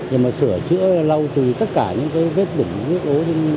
nhưng mà sửa chữa là lâu từ tất cả những vết bụng vết ố